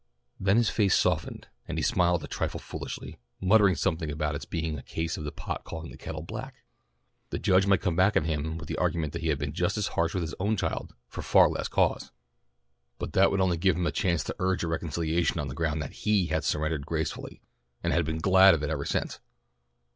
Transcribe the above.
Then his face softened and he smiled a trifle foolishly, muttering something about its being a case of the pot calling the kettle black. The Judge might come back at him with the argument that he had been just as harsh with his own child for far less cause; but that would only give him a chance to urge a reconciliation on the ground that he had surrendered gracefully, and had been glad of it ever since.